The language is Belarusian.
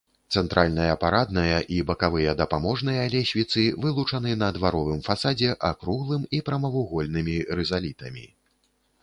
Цэнтральная парадная і бакавыя дапаможныя лесвіцы вылучаны на дваровым фасадзе акруглым і прамавугольнымі рызалітамі.